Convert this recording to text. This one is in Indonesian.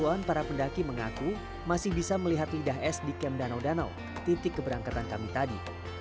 di awal seribu sembilan ratus sembilan puluh an para pendaki mengaku masih bisa melihat lidah es di kem danau danau titik keberangkatan kami tadi